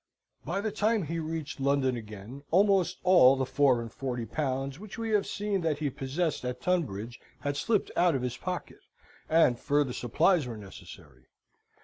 By the time he reached London again, almost all the four and forty pounds which we have seen that he possessed at Tunbridge had slipped out of his pocket, and further supplies were necessary.